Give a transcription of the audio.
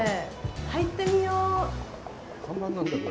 入ってみよう。